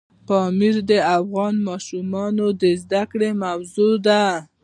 پامیر د افغان ماشومانو د زده کړې موضوع ده.